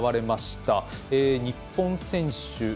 日本選手